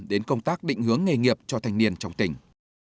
đến công tác định hướng nghề nghiệp cho thanh niên trong tỉnh